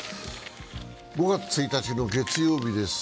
５月１日の月曜日です。